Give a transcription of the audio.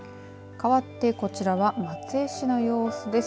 かわってこちらは松江市の様子です。